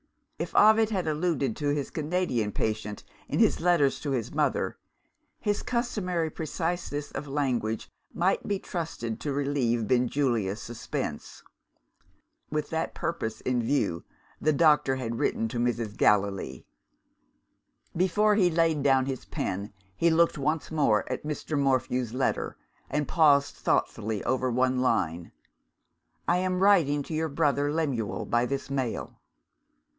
If Ovid had alluded to his Canadian patient in his letters to his mother, his customary preciseness of language might be trusted to relieve Benjulia's suspense. With that purpose in view, the doctor had written to Mrs. Gallilee. Before he laid down his pen, he looked once more at Mr. Morphew's letter, and paused thoughtfully over one line: "I am writing to your brother Lemuel by this mail."